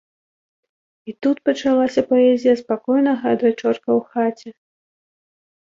І тут пачалася паэзія спакойнага адвячорка ў хаце.